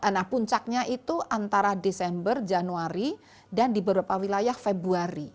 nah puncaknya itu antara desember januari dan di beberapa wilayah februari